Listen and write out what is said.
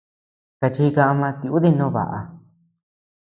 Kachika ama tiudi no baʼa.